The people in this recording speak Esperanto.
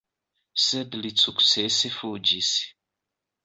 Sed li sukcese fuĝis.